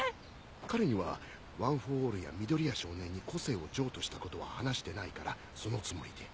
彼にはワン・フォー・オールや緑谷少年に個性を譲渡したことは話してないからそのつもりで。